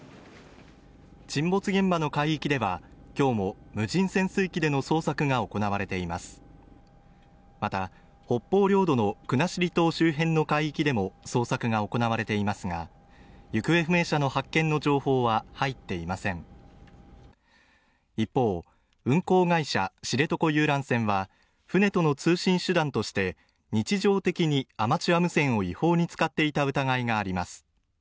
沈没現場の海域では今日も無人潜水機での捜索が行われていますまた北方領土の国後島周辺の海域でも捜索が行われていますが行方不明者の発見の情報は入っていません一方、運航会社知床遊覧船は船との通信手段として日常的にアマチュア無線を違法に使っていた疑いがあります